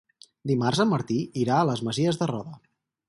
Dimarts en Martí irà a les Masies de Roda.